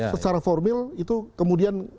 secara formil itu kemudian